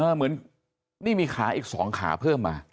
เหมือนนี่มีขาอีก๒ขาเพิ่มมา